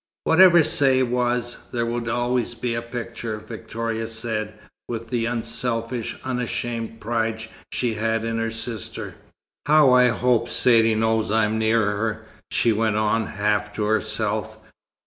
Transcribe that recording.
"Wherever Say was, there would always be a picture," Victoria said with the unselfish, unashamed pride she had in her sister. "How I hope Saidee knows I'm near her," she went on, half to herself.